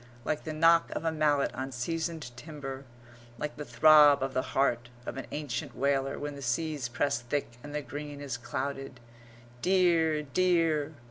like the knock of a mallet on seasoned timber, like the throb of the heart of an ancient whaler when the seas press thick and the green is clouded. "Dear, dear!"